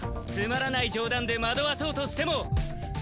つまらない冗談で惑わそうとしても！